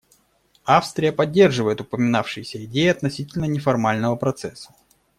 Австрия поддерживает упоминавшиеся идеи относительно неформального процесса.